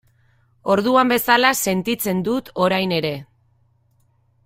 Orduan bezala sentitzen dut orain ere.